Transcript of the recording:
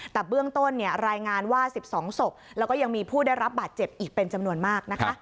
แต่เบื้องต้นรายงานว่า๑๒ศพแล้วก็ยังมีผู้ได้รับบาดเจ็บอีกเป็นจำนวนมากนะคะ